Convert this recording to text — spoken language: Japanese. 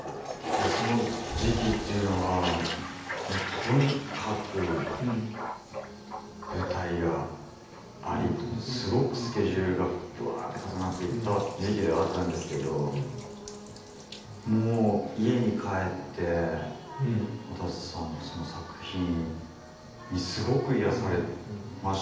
その時期っていうのがもうとにかく舞台がありすごくスケジュールがぶわって重なっていた時期ではあったんですけどもう家に帰ってわたせさんの作品にすごく癒やされましたね。